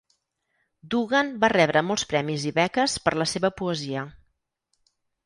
Dugan va rebre molts premis i beques per la seva poesia.